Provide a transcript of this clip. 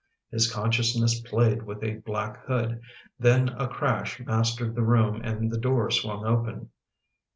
His consciousness played with a black hood; then a crash mastered the room and the door swung open.